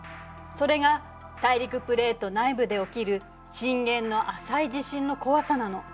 それが大陸プレート内部で起きる震源の浅い地震の怖さなの。